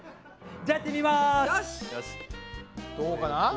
どうかな？